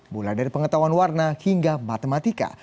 mulai dari pengetahuan warna hingga matematika